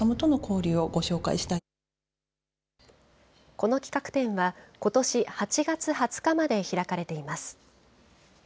この企画展はことし８月２０日まで開かれています。